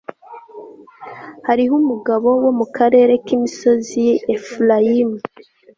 hariho umugabo wo mu karere k'imisozi y'i efurayimu